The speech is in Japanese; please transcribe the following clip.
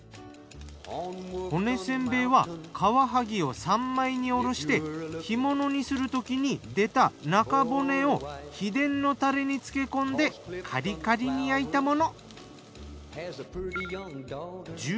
骨せんべいはかわはぎを三枚におろして干物にするときに出た中骨を秘伝のタレに漬け込んでカリカリに焼いたもの。